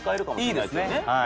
いいですね。